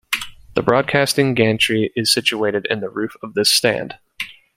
The broadcasting gantry is situated in the roof of this stand.